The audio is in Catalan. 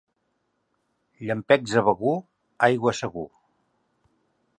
Llampecs a Begur, aigua segur.